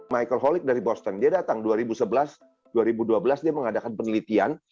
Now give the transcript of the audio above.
michael holik dari boston dia datang dua ribu sebelas dua ribu dua belas dia mengadakan penelitian